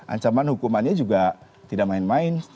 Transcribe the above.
ancaman hukumannya juga tidak main main